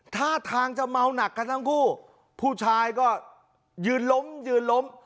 ท่าทางจะเมาหนักกันทั้งคู่ผู้ชายก็ยืนล้มยืนล้ม